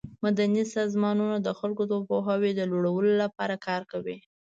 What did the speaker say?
مدني سازمانونه د خلکو د پوهاوي د لوړولو لپاره کار کوي.